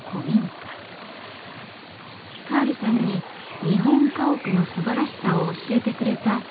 カールさんに日本家屋のすばらしさを教えてくれた建物です。